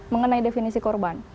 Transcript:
mengenai definisi korban